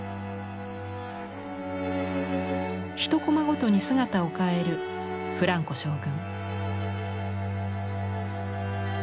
１コマごとに姿を変えるフランコ将軍。